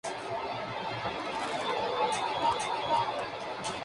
Su sello es el Century Media.